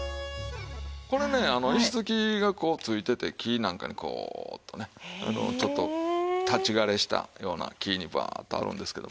これね石づきがこうついてて木なんかにこうとねちょっと立ち枯れしたような木にバーッとあるんですけど。